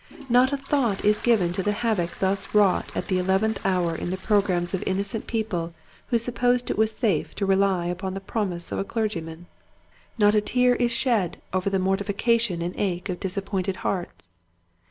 Not a thought is given to the havoc thus wrought at the eleventh hour in the programs of innocent people who supposed it was safe to rely upon the promise of a clergyman ; Meanness. 165 not a tear is shed over the mortification and ache of disappointed hearts.